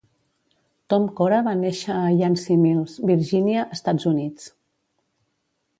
Tom Cora va néixer a Yancey Mills, Virginia, Estats Units.